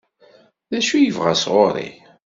D acu i yebɣa sɣur-i?